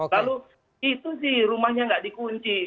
lalu itu sih rumahnya nggak dikunci